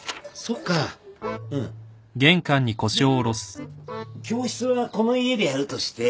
で教室はこの家でやるとして。